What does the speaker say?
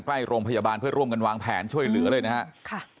ใกล้โรงพยาบาลเพื่อร่วมกันวางแผนช่วยเหลือเลยนะครับ